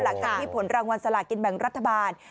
หลังจากที่ผลรางวัลสลากินแบ่งรัฐบาล